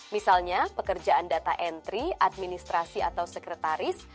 misalnya pekerjaan data entry administrasi atau sekretaris